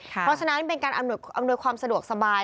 เพราะฉะนั้นเป็นการอำนวยความสะดวกสบาย